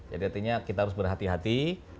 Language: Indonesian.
jadi artinya kita harus berhati hati